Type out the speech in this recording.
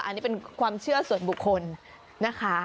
อันนี้เป็นความเชื่อส่วนบุคคลนะคะ